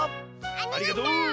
ありがとう！